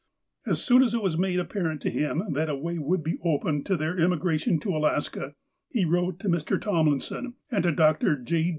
As soon as it was made apparent to him that a way would be opened to their immigration to Alaska, he wrote to Mr. Tomlinson and to Dr. J.